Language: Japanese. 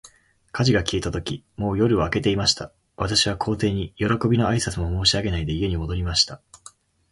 火事が消えたとき、もう夜は明けていました。私は皇帝に、よろこびの挨拶も申し上げないで、家に戻りました。